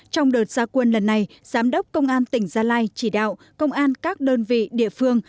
trong đợt gia quân lần này giám đốc công an tỉnh gia lai chỉ đạo công an các đơn vị địa phương